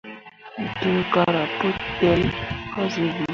Dǝǝ garah pu ell kah zun bii.